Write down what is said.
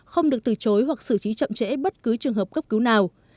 không được từ chối hoặc xử trí chậm trễ bất cứ trường hợp cấp cứu nào